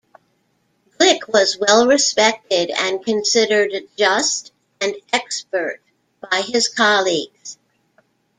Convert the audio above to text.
Glick was well respected and considered "just and expert" by his colleagues.